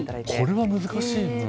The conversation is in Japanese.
これは難しい。